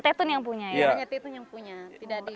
tetun yang punya tidak di tore